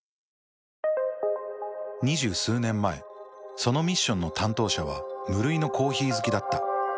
２０数年前そのミッションの担当者は無類のコーヒー好きだった。